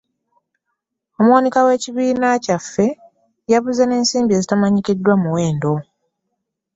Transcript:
Omuwanika w'ekibiina kyaffe yabuze n'ensimbi ezitamanyiddwa muwendo.